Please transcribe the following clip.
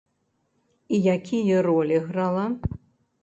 І якія ролі грала?